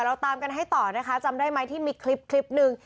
เราตามกันให้ต่อนะคะจำได้ไหมที่มีคลิปคลิปหนึ่ง